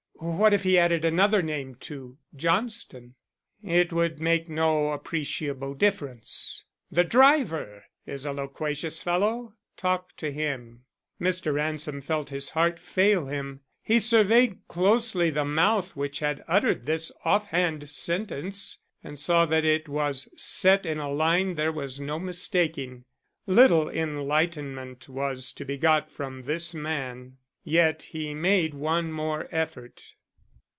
"What if he added another name to the Johnston?" "It would make no appreciable difference. The driver is a loquacious fellow, talk to him." Mr. Ransom felt his heart fail him. He surveyed closely the mouth which had uttered this off hand sentence and saw that it was set in a line there was no mistaking. Little enlightenment was to be got from this man. Yet he made one more effort.